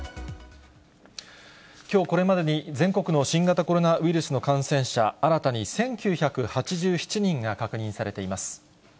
きょうこれまでに、全国の新型コロナウイルスの感染者、新たに１９８７人が確認されています。